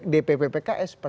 dpp pks seperti apa